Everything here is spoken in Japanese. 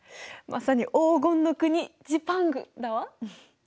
まさに黄金の国ジパングだわ。